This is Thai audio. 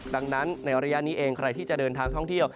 ดังนั้นในระยะนี้เองใครที่จะเดินทางท่องเที่ยว